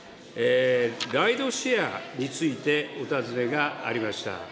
ライドシェアについてお尋ねがありました。